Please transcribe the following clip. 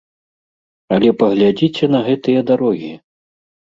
Але паглядзіце на гэтыя дарогі!